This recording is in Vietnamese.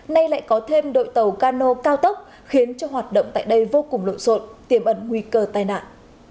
nay lại có thêm đội tàu cano cao tốc khiến cho hoạt động tại đây vô cùng lộn xộn tiềm ẩn nguy cơ tai nạn